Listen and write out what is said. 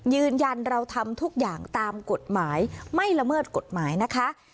ยืนยันเราทำทุกอย่างตามกฎหมายไม่ละเมิดกฎหมายนะคะ